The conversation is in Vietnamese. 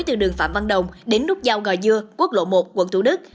từ đường phạm văn đồng đến nút giao ngò dưa quốc lộ một quận thủ đức